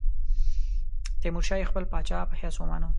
تیمورشاه یې خپل پاچا په حیث ومانه.